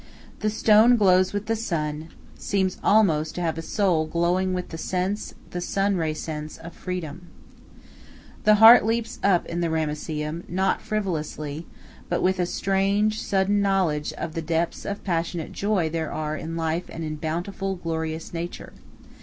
The stone glows with the sun, seems almost to have a soul glowing with the sense, the sun ray sense, of freedom. The heart leaps up in the Ramesseum, not frivolously, but with a strange, sudden knowledge of the depths of passionate joy there are in life and in bountiful, glorious nature.